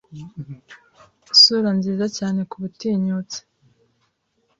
Isura nziza cyane kubutinyutsi